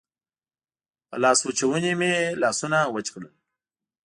په لاسوچوني مې لاسونه وچ کړل.